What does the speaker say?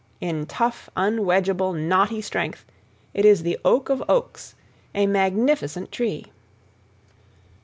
In tough, unwedgeable, knotty strength, it is the oak of oaks, a magnificent tree.